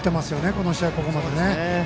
この試合、ここまでね。